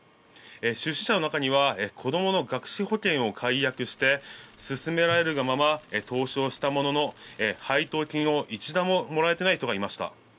出資者の中には子供の学資保険を解約して勧められるがまま投資をしたものの配当金を一度ももらえていない人がいました。